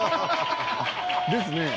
ですね。